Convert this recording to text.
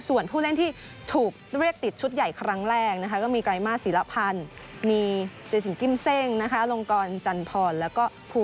ส่วนผู้เล่นที่ถูกเรียกติดชุดใหญ่ครั้งแรก